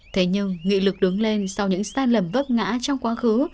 thế nhưng nghị lực đứng lên sau những sai lầm vấp ngã trong quá khứ